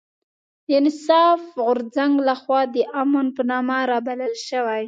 د انصاف غورځنګ لخوا د امن په نامه رابلل شوې